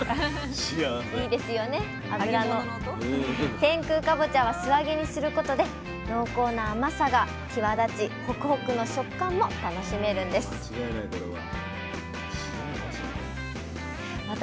天空かぼちゃは素揚げにすることで濃厚な甘さが際立ちホクホクの食感も楽しめるんです私